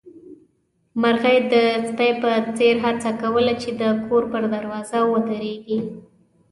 مرغۍ د سپي په څېر هڅه کوله چې د کور پر دروازه ودرېږي.